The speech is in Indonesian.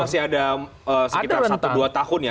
karena masih ada sekitar satu dua tahun ya rentangnya itu